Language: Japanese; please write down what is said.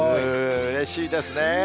うれしいですね。